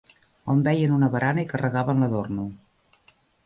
On veien una barana hi carregaven l'adorno